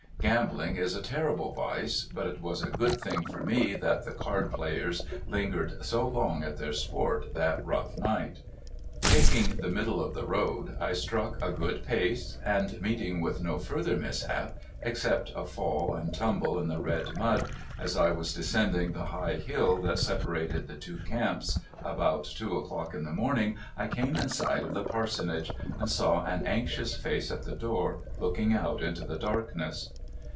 Gambling is a terrible vice, but it was a good thing for me that the card play ers lingered so long at their sport that rough night. Taking the middle of the road, I struck a good pace, and meeting with no further mishap except a fall and tumble in the red mud as I was descend LOST ON TABLE MOUNTAIN. 3I in the high hill that separated the two camps, about two o'clock in the morning I came in sight of the parsonage, and saw an anxious face at the door looking out into the darkness.